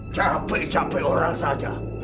capek capek orang saja